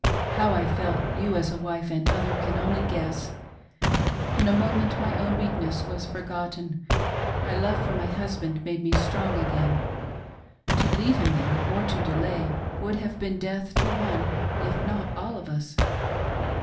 How I felt, you, as a wife and mother, only can guess. In a moment my own weakness was forgotten ; my love for my husband made me strong again. To leave him there or to delay would have been death to one if not all of us.